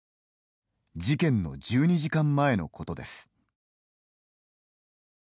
事件の１２時間前のことです。